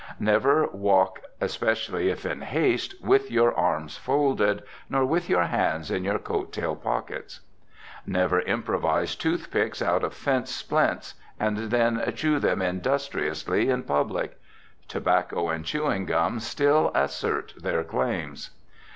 Never walk, especially if in haste, with your arms folded, nor with your hands in your coat tail pockets. Never improvise tooth picks out of fence splints, and then chew them industriously in public. Tobacco and chewing gum still assert their claims.